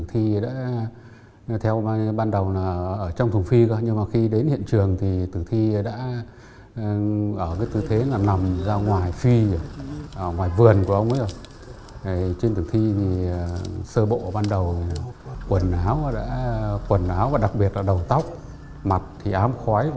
thì do vậy là chúng tôi nhận định rằng là khả năng rất lớn là khi mà đốt nạn nhân thì là rất nhiều hỏi